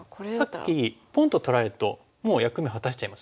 さっきポンと取られるともう役目果たしちゃいますね。